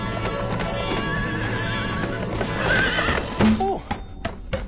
おう。